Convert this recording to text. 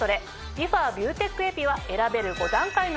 リファビューテックエピは選べる。